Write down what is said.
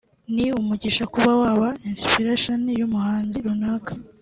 ni umugisha kuba waba inspiration y’umuhanzi runaka